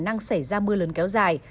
khả năng xảy ra mưa lớn kéo dài